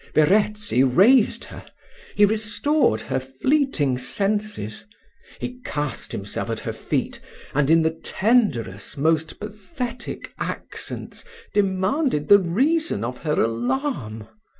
Verezzi raised her he restored her fleeting senses; he cast himself at her feet, and in the tenderest, most pathetic accents, demanded the reason of her alarm.